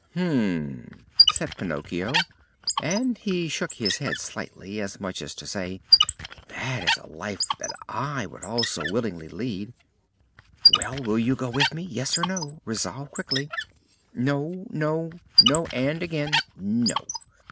"Hum!" said Pinocchio, and he shook his head slightly, as much as to say, "That is a life that I also would willingly lead." "Well, will you go with me? Yes or no? Resolve quickly." "No, no, no, and again no.